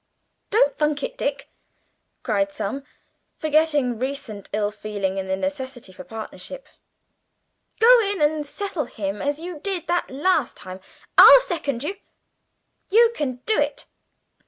"Don't funk it, Dick!" cried some, forgetting recent ill feeling in the necessity for partisanship. "Go in and settle him as you did that last time. I'll second you. You can do it!"